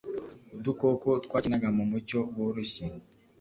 udukoko twakinaga mu mucyo woroshye